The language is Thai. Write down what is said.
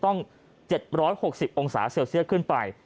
ต้อง๗๖๐องศาเซลเซียสขึ้นไป